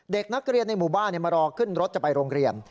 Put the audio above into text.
เด็กนักเรียนในหมู่บ้านมารอขึ้นรถจะไปโรงเรียน